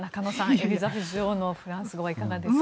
エリザベス女王のフランス語はいかがですか？